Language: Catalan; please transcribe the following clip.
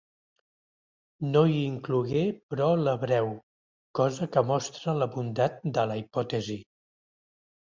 No hi inclogué, però, l'hebreu, cosa que mostra la bondat de la hipòtesi.